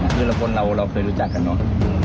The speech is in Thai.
คือคนเราเราเคยรู้จักกันเนอะ